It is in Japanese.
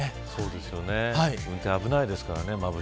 運転危ないですからね